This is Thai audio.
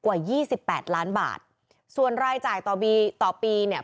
ยี่สิบแปดล้านบาทส่วนรายจ่ายต่อปีต่อปีเนี่ย